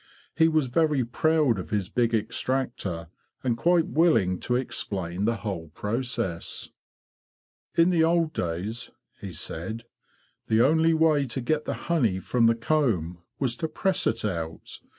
He was very proud of his big extractor, and quite willing to explain the whole process. '"'In the old days,' he said, ''the only way to get the honey from the comb was to press it out.